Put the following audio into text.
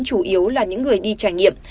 chủ yếu là những người đi trải nghiệm